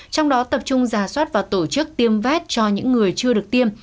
trong đó tập trung giả soát và tổ chức tiêm vét cho những người chưa được tiêm